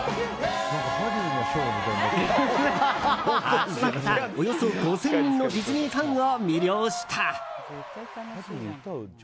集まったおよそ５０００人のディズニーファンを魅了した。